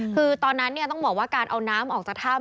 คือตอนนั้นต้องบอกว่าการเอาน้ำออกจากถ้ำ